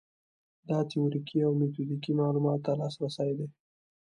دا تیوریکي او میتودیکي معلوماتو ته لاسرسی دی.